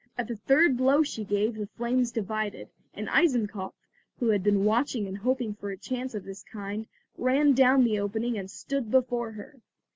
At the third blow she gave the flames divided, and Eisenkopf, who had been watching and hoping for a chance of this kind, ran down the opening and stood before her.